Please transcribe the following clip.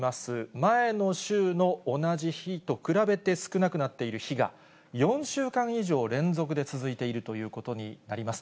前の週の同じ日と比べて少なくなっている日が、４週間以上連続で続いているということになります。